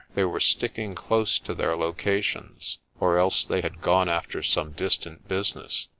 They were sticking close to their locations, or else they had gone after some distant business.